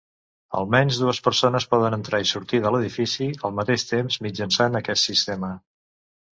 Almenys dues persones poden entrar i sortir de l'edifici al mateix temps mitjançant aquest sistema.